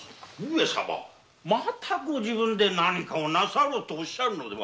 上様またご自分で何かなさろうとおっしゃるのですか。